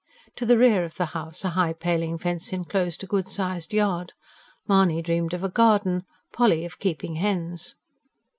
To the rear of the house a high paling fence enclosed a good sized yard. Mahony dreamed of a garden, Polly of keeping hens.